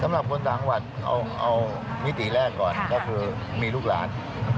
สำหรับคนต่างวัดเอามิติแรกก่อนก็คือมีลูกหลาน